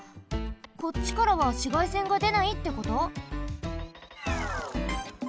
こっちからはしがいせんがでないってこと？